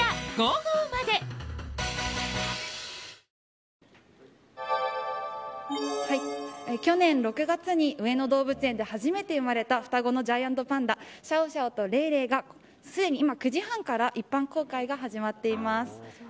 福岡、広島辺りも念のため去年６月に上野動物園で初めて生まれた双子のジャイアントパンダシャオシャオとレイレイがすでに９時半から一般公開が始まっています。